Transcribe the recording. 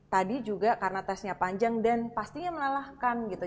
tadi juga karena tesnya panjang dan pastinya melelahkan gitu